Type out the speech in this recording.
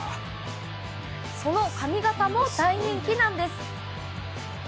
その髪形も大人気なんです。